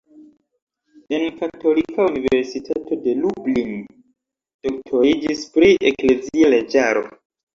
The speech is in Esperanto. En Katolika Universitato de Lublin doktoriĝis pri eklezia leĝaro.